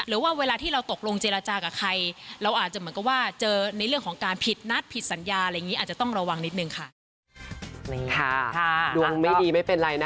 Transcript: เวลาที่เราตกลงเจรจากับใครเราอาจจะเหมือนกับว่าเจอในเรื่องของการผิดนัดผิดสัญญาอะไรอย่างนี้อาจจะต้องระวังนิดนึงค่ะ